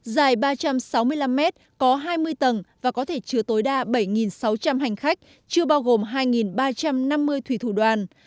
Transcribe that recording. dài ba trăm sáu mươi năm mét có hai mươi tầng và có thể chứa tối đa bảy sáu trăm linh hành khách chưa bao gồm hai ba trăm năm mươi thủy thủ đoàn